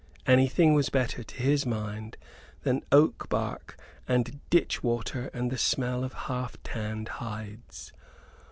Anything was better, to his mind, than oak bark and ditch water and the smell of half tanned hides.